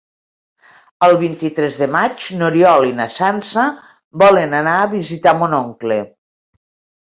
El vint-i-tres de maig n'Oriol i na Sança volen anar a visitar mon oncle.